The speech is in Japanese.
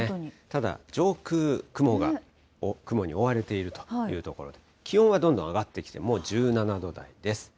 ただ、上空、雲に覆われているというところと、気温はどんどん上がってきて、もう１７度台です。